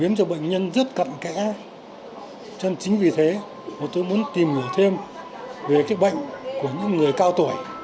nghĩa thêm về cái bệnh của những người cao tuổi